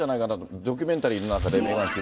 ドキュメンタリーの中でメーガン妃は。